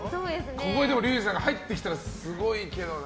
ここに龍二さんが入ってきたらすごいけどな。